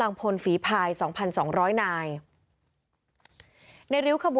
ในเวลาเดิมคือ๑๕นาทีครับ